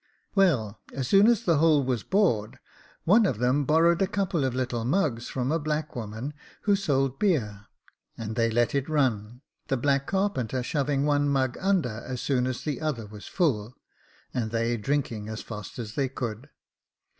Well, as soon as the hole was bored, one of them borrowed a couple of little mugs from a black woman, who sold beer, and then they let it run, the black carpenter shoving one mug under as soon as the other was full, and they drinking as fast as they could.